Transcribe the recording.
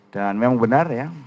dan memang benar ya